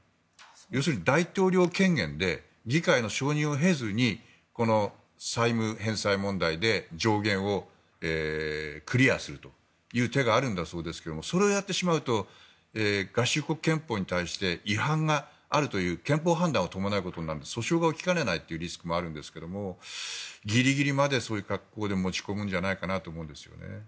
要するに大統領権限で議会の承認を経ずにこの債務返済問題で上限をクリアするという手があるんだそうですがそれをやってしまうと合衆国憲法に対して違反があるという憲法判断を伴うことになるので訴訟が起きかねないというリスクもあるんですがギリギリまでそういう格好で持ち込むんじゃないかと思うんです。